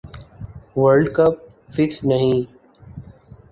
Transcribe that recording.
world cup fixed نہی